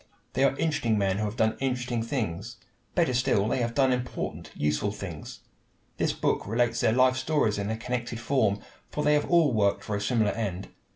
They are interesting men who have done interesting things. Better still, they have done important, useful things. This book relates their life stories in a connected form, for they have all worked for a similar end.